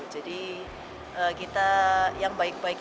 jadi kita yang baik baik